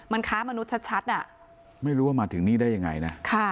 มันค้ามนุษย์ชัดอ่ะไม่รู้ว่ามาถึงนี่ได้ยังไงนะ